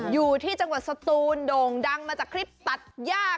อยู่ที่จังหวัดสตูนโด่งดังมาจากคลิปตัดย่า